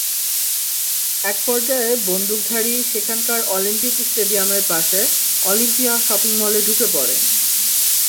একপর্যায়ে বন্দুকধারী সেখানকার অলিম্পিক স্টেডিয়ামের পাশে অলিম্পিয়া শপিং মলে ঢুকে পড়েন।